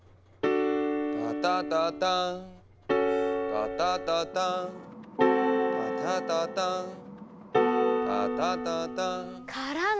「タタタターン」「タタタターン」「タタタターン」「タタタターン」からの。